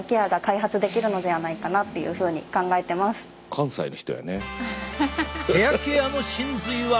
関西の人やね。